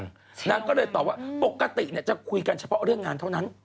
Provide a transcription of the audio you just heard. นางก็เลยตอบว่าปกติจะคุยกันเฉพาะเรื่องงานเท่านั้น